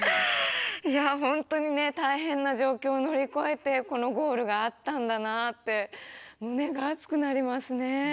いや本当に大変な状況を乗り越えてこのゴールがあったんだなって胸が熱くなりますね。